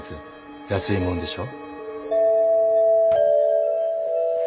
安いもんでしょ？